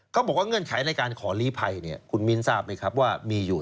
เขาบอกว่าเงื่อนไขในการขอลีภัยคุณมีนทราบไหมครับว่ามีอยู่๓ข้อ